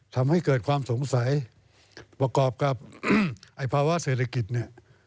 ทำให้เกิดความสงสัยประกอบกับไอ้ภาวะเศรษฐกิจเนี่ย